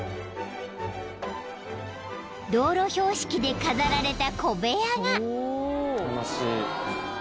［道路標識で飾られた小部屋が］